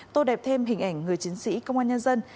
tô đẹp thêm hình ảnh người chiến sĩ công an nhân dân